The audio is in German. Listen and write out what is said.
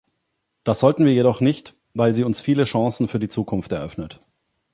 Das sollten wir jedoch nicht, weil sie uns viele Chancen für die Zukunft eröffnet.